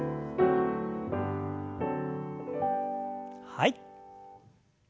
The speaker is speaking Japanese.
はい。